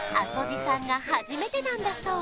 路さんが初めてなんだそう